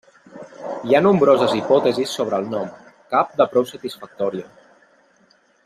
Hi ha nombroses hipòtesis sobre el nom, cap de prou satisfactòria.